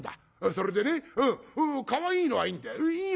「それでねかわいいのはいいんだよ。